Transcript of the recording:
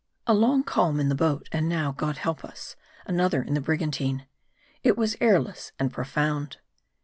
A LONG calm in the boat, and now, God help us, another in the brigantine. It was airless and profound.